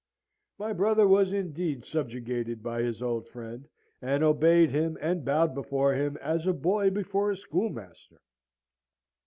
My brother was indeed subjugated by his old friend, and obeyed him and bowed before him as a boy before a schoolmaster.